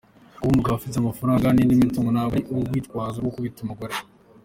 Kuba umugabo afite amafaranga n’indi mitungo ntabwo ari urwitazo rwo gukubita umugore.